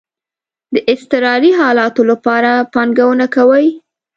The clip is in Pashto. د اضطراری حالاتو لپاره پانګونه کوئ؟